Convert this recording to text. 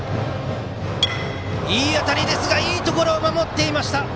いい当たりですがいいところにいました。